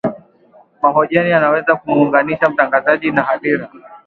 mahojiano yanaweza kumuunganisha mtangazaji na hadhira